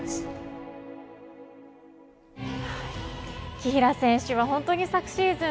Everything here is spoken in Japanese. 紀平選手は本当に昨シーズン